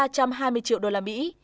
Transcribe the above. ba trăm hai mươi triệu đô la mỹ